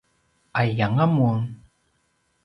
’aiyanga mun?